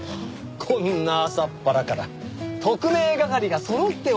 こんな朝っぱらから特命係がそろってお出まし？